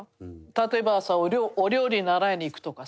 例えばさお料理習いに行くとかさ。